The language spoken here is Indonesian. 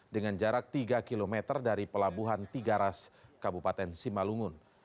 dengan jarak tiga km dari pelabuhan tigaras kabupaten simalungun